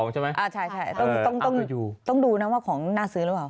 ใช่ไหมต้องดูนะว่าของน่าซื้อหรือเปล่า